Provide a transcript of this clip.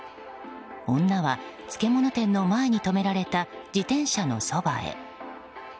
女は、漬物店の前に止められた自転車のそばへ。